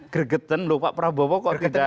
gregetan lho pak prabowo kok tidak